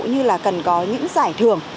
như là cần có những giải thưởng